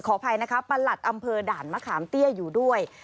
อภัยนะคะประหลัดอำเภอด่านมะขามเตี้ยอยู่ด้วย